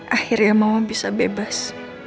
akhirnya mama bisa bebas